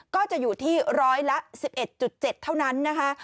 ก็จะอยู่ที่ร้อยละ๑๑๗เท่านั้นนะคะ